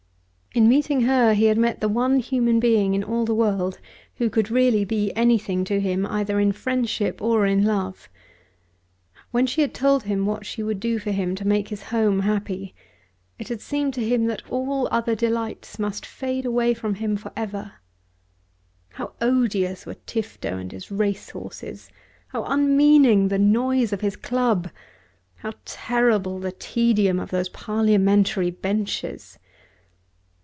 In meeting her he had met the one human being in all the world who could really be anything to him either in friendship or in love. When she had told him what she would do for him to make his home happy, it had seemed to him that all other delights must fade away from him for ever. How odious were Tifto and his racehorses, how unmeaning the noise of his club, how terrible the tedium of those parliamentary benches!